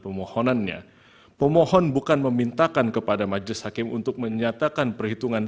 permohonannya pemohon bukan memintakan kepada majelis hakim untuk menyatakan perhitungan